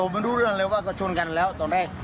ไม่รู้เรื่องเลยว่าเขาชนกันแล้วตอนแรก